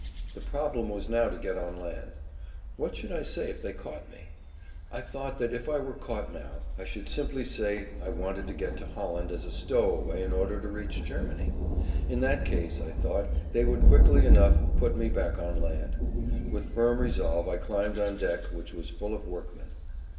The problem was now to get on land. What should I say if they caught me? I thought that if I were caught now I should simply say I wanted to get to[Pg 192] Holland as a stowaway in order to reach Germany. In that case, I thought, they would quickly enough put me back on land. With firm resolve I climbed on deck which was full of workmen.